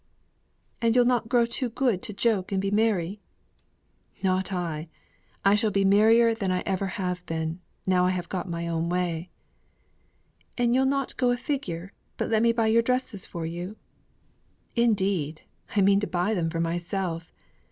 "And you'll not grow too good to joke and be merry?" "Not I. I shall be merrier than I have ever been, now I have got my own way." "And you'll not go a figure, but let me buy your dresses for you?" "Indeed I mean to buy them for myself.